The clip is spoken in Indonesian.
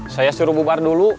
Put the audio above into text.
saya suruh bubar dulu